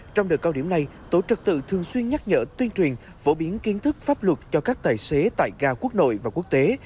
trong đợt cao điểm này tổ trực tự thường xuyên nhắc nhở tuyên truyền phổ biến kiến thức pháp luật cho các tài xế tại ga quốc nội và quốc tế